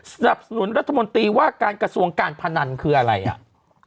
สนับสนุนรัฐมนตรีว่าการกระทรวงการพนันคืออะไรอ่ะ